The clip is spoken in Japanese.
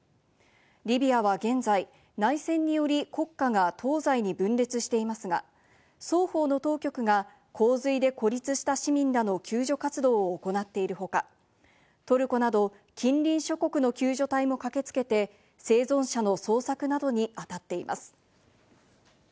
リビアは現在、内戦により国家が東西に分裂していますが、双方の当局が洪水で孤立した市民らの救助活動を行っている他、トルコなど近隣諸国の救助隊も駆けつけて生存者の捜索などにあたっています。